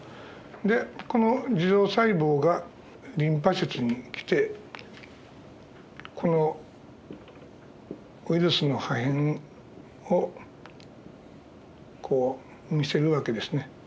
でこの樹状細胞がリンパ節に来てこのウイルスの破片をこう見せる訳ですね。